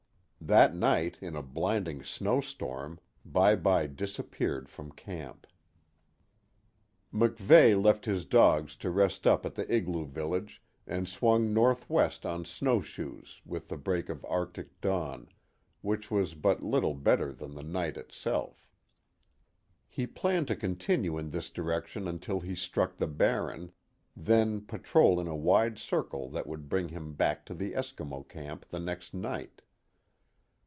That night, in a blinding snow storm, Bye Bye disappeared from camp. MacVeigh left his dogs to rest up at the igloo village and swung northwest on snow shoes with the break of arctic dawn, which was but little better than the night itself. He planned to continue in this direction until he struck the Barren, then patrol in a wide circle that would bring him back to the Eskimo camp the next night.